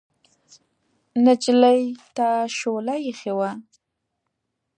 نجلۍ ته شوله اېښې وه.